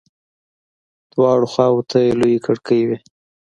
دواړو خواو ته يې لويې کړکۍ وې.